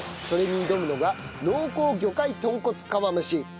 それに挑むのが濃厚魚介豚骨釜飯。